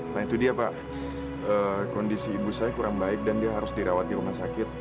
nah itu dia pak kondisi ibu saya kurang baik dan dia harus dirawat di rumah sakit